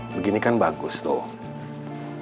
begini kan bagus tuh